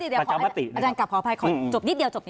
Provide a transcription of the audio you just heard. อาจารย์ขออภัยขอจบนิดเทียบ